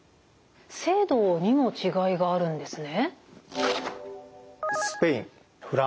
制度にも違いがあるんですね。